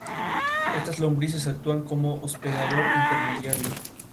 Estas lombrices actúan como hospedador intermediario.